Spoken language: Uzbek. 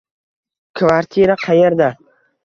Kvartira qayerda?